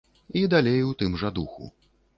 І далей у тым жа духу.